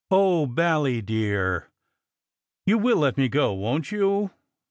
"Oh, Bally, dear, you will let me go, won t you?"